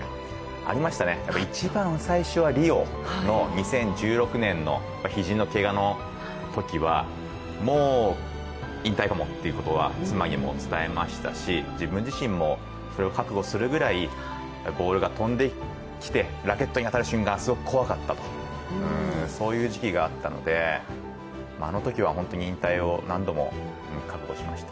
ありましたね、一番最初はリオの２０１６年の肘のけがのときは、もう、引退かもっていうことは妻にも伝えましたし自分自身もそれを覚悟するくらいボールが飛んできて、ラケットに当たる瞬間、すごく怖かったという時期があったのであのときは本当に引退を何度も覚悟しました。